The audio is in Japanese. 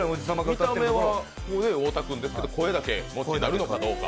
見た目は太田君ですけど、声だけ持田さんになるのかどうか。